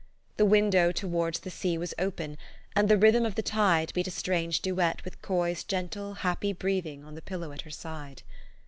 The window towards the sea was open, and the rhythm of the tide beat a strange duet with Coy's gentle, happy breathing on the pillow at her side.